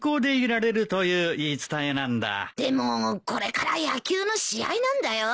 でもこれから野球の試合なんだよ。